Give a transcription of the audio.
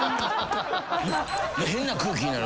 変な空気になる。